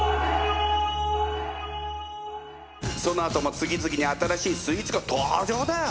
そのあとも次々に新しいスイーツが登場だ。